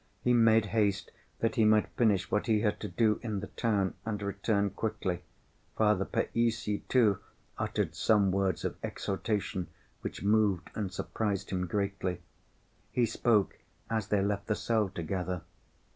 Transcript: He made haste that he might finish what he had to do in the town and return quickly. Father Païssy, too, uttered some words of exhortation which moved and surprised him greatly. He spoke as they left the cell together.